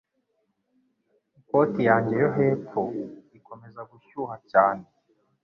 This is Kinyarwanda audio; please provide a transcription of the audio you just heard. Ikoti yanjye yo hepfo ikomeza gushyuha cyane.